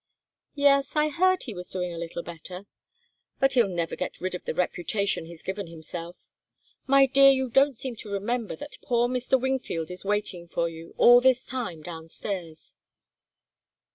"Yes I heard he was doing a little better. But he'll never get rid of the reputation he's given himself. My dear, you don't seem to remember that poor Mr. Wingfield is waiting for you all this time downstairs."